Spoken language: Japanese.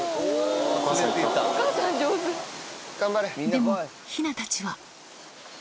でも、ヒナたちは。